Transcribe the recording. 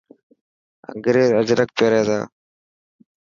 انگريز اجرڪ پيري تا.